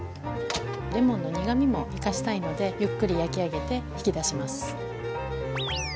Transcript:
レモンの苦みも生かしたいのでゆっくり焼き上げて引き出します。